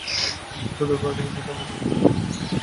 এটা দূর করা যাবে, যদি আমরা কিছুটা হলেও শিক্ষায় সমতা আনতে পারি।